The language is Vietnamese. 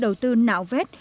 đầu tư nạo vết